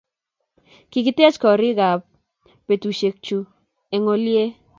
kikitech koriikab betushechu eng' olie